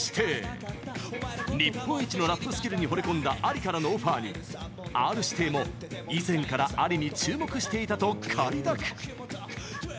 日本一のラップスキルにほれ込んだＡＬＩからのオファーにＲー指定も以前からＡＬＩに注目していたと快諾。